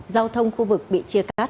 giao thông khu vực bị chia cắt